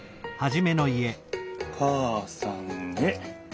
「母さんへ。